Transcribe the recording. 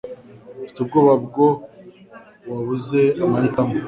Mfite ubwoba ko wabuze amahitamo.